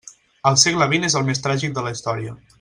El segle vint és el més tràgic de la història.